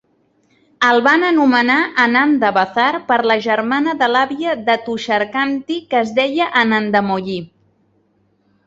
El van anomenar "Ananda Bazar" per la germana de l'àvia de Tusharkanti, que es deia Anandamoyee.